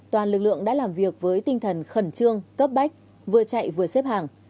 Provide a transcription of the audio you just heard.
toàn lực lượng đã làm việc với tinh thần khẩn trương cấp bách vừa chạy vừa xếp hàng